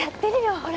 ほら！